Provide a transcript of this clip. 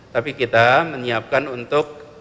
tapi kita menyiapkan untuk